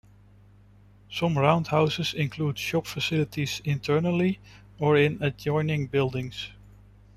Some roundhouses include shop facilities internally or in adjoining buildings.